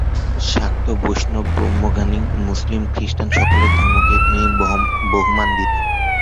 শাক্ত, বৈষ্ণব, ব্রহ্মজ্ঞানী, মুসলমান, খ্রীষ্টান সকলের ধর্মকেই তিনি বহুমান দিতেন।